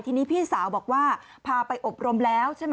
ทีนี้พี่สาวบอกว่าพาไปอบรมแล้วใช่ไหม